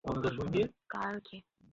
পুরো দুনিয়াবাসী নয়, জশ!